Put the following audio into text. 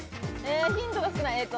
ヒントが少ない。